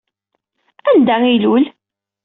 Anda ay ilul?